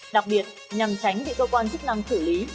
đặc biệt nhằm tránh bị cơ quan chức năng xử lý